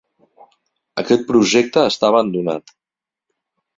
Aquest projecte està abandonat.